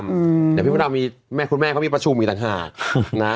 เดี๋ยวพี่มดดำมีแม่คุณแม่เขามีประชุมอีกต่างหากนะ